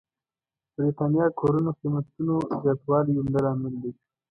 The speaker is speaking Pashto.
برېتانيا کورونو قېمتونو زياتوالی عمده عامل دی.